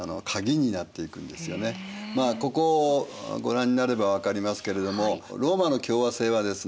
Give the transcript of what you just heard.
まあここご覧になれば分かりますけれどもローマの共和政はですね